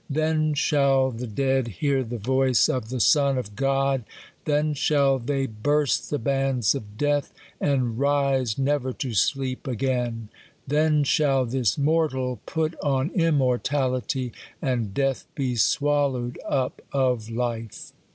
Then, shall the dead 288 THE COLUMBIAN ORATOR. dead hear the voice of the Son of God ; then shall they "burst the bands of death, and rise, never to sleep again. Then shall this mortal put on immortality, and death be swallowed up of life.